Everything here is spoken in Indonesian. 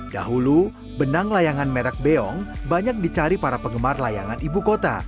dahulu benang layangan merek beong banyak dicari para penggemar layangan ibu kota